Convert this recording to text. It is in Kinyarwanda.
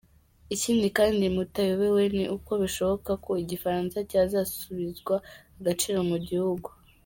Ikindi kandi mutayobewe ni uko bishoboka ko igifaransa cyazasubizwa agaciro mu gihugu.